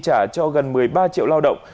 trả cho gần một mươi ba triệu lao động